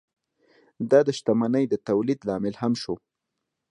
دا د شتمنۍ د تولید لامل هم شو.